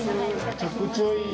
めちゃくちゃいい。